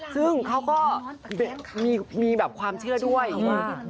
ซึ่งเขาก็มีแบบความเชื่อด้วยว่า